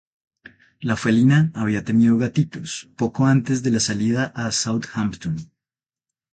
La felina había tenido gatitos poco antes de la salida a Southampton.